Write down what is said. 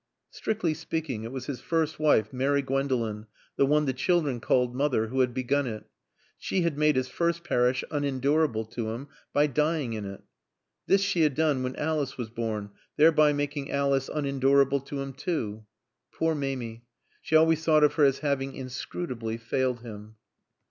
Strictly speaking, it was his first wife, Mary Gwendolen, the one the children called Mother, who had begun it. She had made his first parish unendurable to him by dying in it. This she had done when Alice was born, thereby making Alice unendurable to him, too. Poor Mamie! He always thought of her as having, inscrutably, failed him.